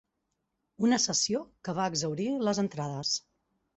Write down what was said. Una sessió que va exhaurir les entrades.